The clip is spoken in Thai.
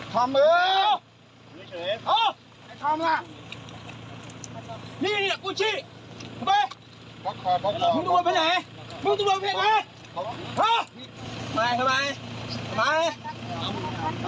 แต่การจัดการผู้ชายต่างเขียนขึ้นถึงบุรีหลายเหนือ